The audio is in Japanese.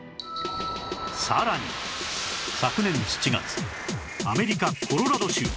さらに昨年７月アメリカコロラド州